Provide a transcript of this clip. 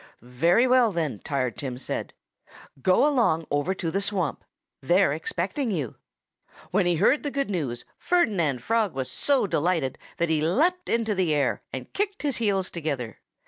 "Very well, then!" Tired Tim said. "Go along over to the swamp. They're expecting you." When he heard the good news Ferdinand Frog was so delighted that he leaped into the air and kicked his heels together.